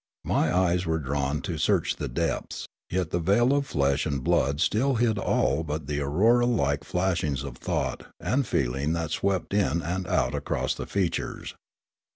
My eyes were drawn to search the depths; yet the veil of flesh and blood still hid all but the aurora like flashings of thought and feeling that swept in and out across the features.